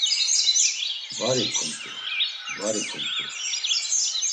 Var ikumt̆u, var ikumt̆u.